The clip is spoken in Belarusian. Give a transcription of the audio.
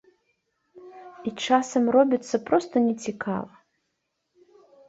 І часам робіцца проста не цікава.